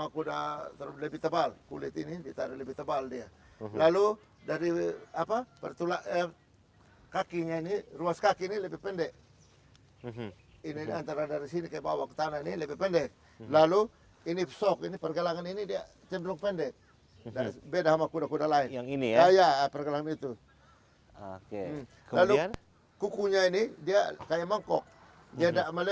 kuda sandal berjurus manypull